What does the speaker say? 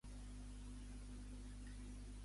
Saps si demà plourà a la tarda?